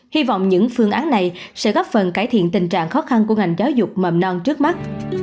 hy vọng những phương án này sẽ góp phần cải thiện tình trạng khó khăn của ngành giáo dục mầm non trước mắt